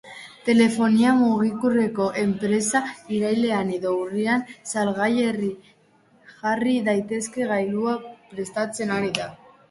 Telefonia mugikorreko enpresa irailean edo urrian salgai jarri daitekeen gailua prestatzen ari da.